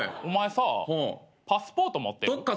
お前さパスポート持ってる？